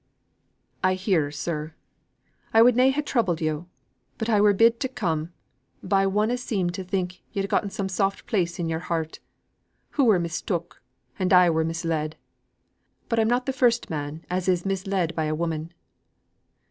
"I hear, sir. I would na ha' troubled you', but that I were bid to come, by one as seemed to think yo'd getten some place in your heart. Hoo were mistook, and I were misled. But I'm not the first man as is misled by a woman."